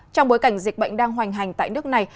trong bối cảnh dịch bệnh đang hoành hành tại nước này